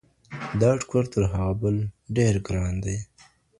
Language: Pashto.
دا ټوکر تر هغه بل ډېر ګران دی.